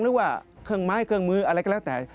หรือว่าเครื่องไม้เครื่องมืออะไรก็แล้วแต่